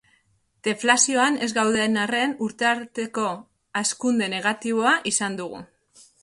Deflazioan ez gauden arren, urte arteko hazkunde negatiboa izan dugu.